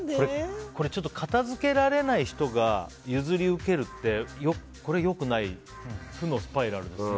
片付けられない人が譲り受けるって良くない、負のスパイラルですね。